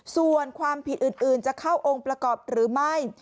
ส่วนความผิดอื่นจะเข้าองค์ประกอบหรือไม่